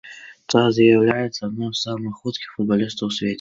Тэа з'яўляецца адным з самых хуткіх футбалістаў у свеце.